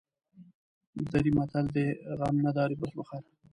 دري متل دی: غم نداری بز بخر.